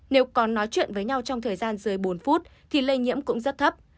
nếu còn nói chuyện với nhau trong thời gian dưới bốn phút thì lây nhiễm cũng rất thấp